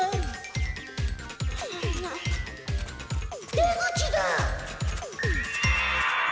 出口だ！